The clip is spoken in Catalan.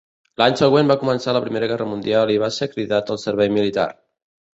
L'any següent va començar la Primera Guerra Mundial i va ser cridat al servei militar.